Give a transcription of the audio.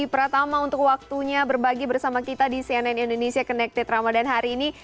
pertama untuk waktunya berbagi bersama kita di cnn indonesia connected ramadan hari ini